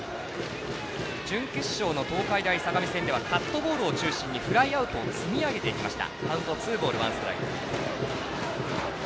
準決勝の東海大相模戦ではカットボールを中心にフライアウトを積み上げていきました。